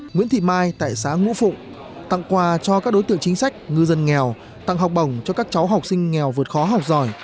nguyễn thị mai tại xã ngũ phụng tặng quà cho các đối tượng chính sách ngư dân nghèo tặng học bổng cho các cháu học sinh nghèo vượt khó học giỏi